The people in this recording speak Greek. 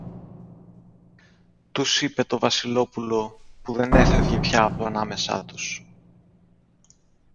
τους είπε το Βασιλόπουλο, που δεν έφευγε πια από ανάμεσα τους.